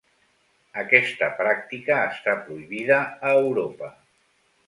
Aquesta pràctica està prohibida a Europa.